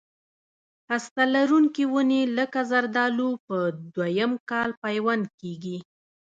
هسته لرونکي ونې لکه زردالو په دوه یم کال پیوند کېږي.